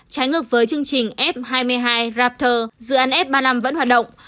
trái ngược với chương trình f hai mươi hai rapter dự án f ba mươi năm vẫn hoạt động